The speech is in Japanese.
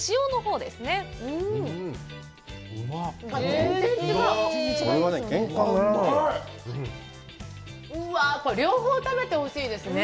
うわあ、これ、両方食べてほしいですね。